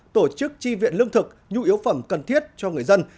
tổ chức tri viện lương thực nhu yếu phẩm cần thiết cho người dân